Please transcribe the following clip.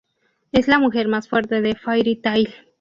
Es la mujer más fuerte de Fairy Tail.